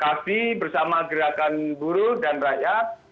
tapi bersama gerakan buruh dan rakyat